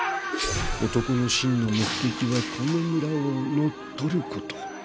男の真の目的はこの村を乗っ取る事。